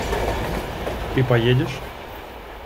Ты поедешь?.